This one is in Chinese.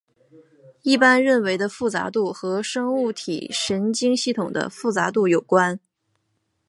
一般认为行为的复杂度和生物体神经系统的复杂度有关。